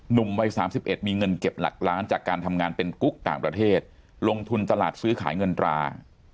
หนุ่มวัย๓๑มีเงินเก็บหลักล้านจากการทำงานเป็นกุ๊กต่างประเทศลงทุนตลาดซื้อขายเงินตรา